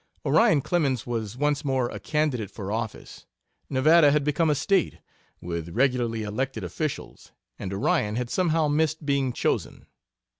Orion Clemens was once more a candidate for office: Nevada had become a State; with regularly elected officials, and Orion had somehow missed being chosen.